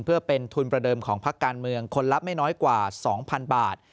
เพื่อเป็นทุนประเดิมของพักการเมืองคนละไม่น้อยกว่า๒๐๐๐บาท